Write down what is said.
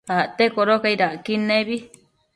Acte codocaid acquid nebi